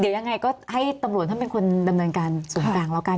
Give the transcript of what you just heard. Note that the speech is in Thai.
เดี๋ยวยังไงก็ให้ตำรวจท่านเป็นคนดำเนินการส่วนกลางแล้วกัน